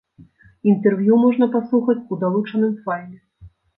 Інтэрв'ю можна паслухаць у далучаным файле.